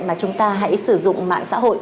mà chúng ta hãy sử dụng mạng xã hội